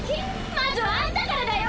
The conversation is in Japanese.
まずはあんたからだよ。